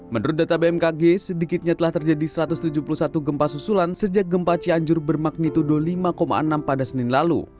menurut data bmkg sedikitnya telah terjadi satu ratus tujuh puluh satu gempa susulan sejak gempa cianjur bermagnitudo lima enam pada senin lalu